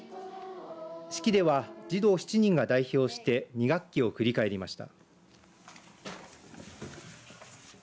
式では児童７人が代表して２学期を振り返りました。